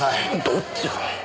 どっちが。